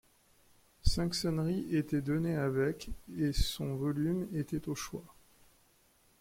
Cinq sonneries étaient données avec et son volume était au choix.